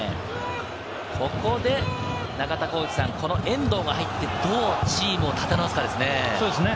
ここで中田さん、この遠藤が入って、どうチームを立て直すかですね。